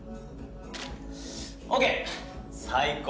ＯＫ最高。